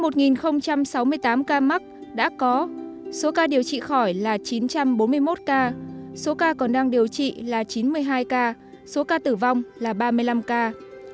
trong một sáu mươi tám ca mắc đã có số ca điều trị khỏi là chín trăm bốn mươi một ca số ca còn đang điều trị là chín mươi hai ca số ca tử vong là ba mươi năm ca